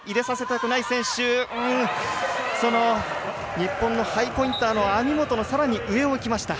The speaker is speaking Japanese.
日本のハイポインターの網本のさらに上をいきました。